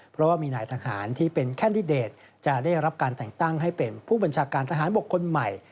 เพราะว่ามีนายทหารที่เป็นแคนดิเดตจะได้รับการแต่งตั้งให้เป็นผู้บัญชาการทหารบกคนใหม่